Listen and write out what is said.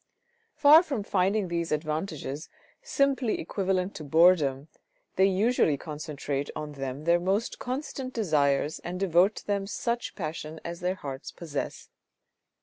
Far from finding these advantages simply equivalent to boredom, they usually concentrate on them their most constant desires and and devote to them such passion as their hearts possess.